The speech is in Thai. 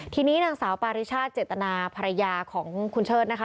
ทีนี้นางสาวปาริชาติเจตนาภรรยาของคุณเชิดนะคะ